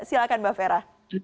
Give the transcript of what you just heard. silahkan mbak fera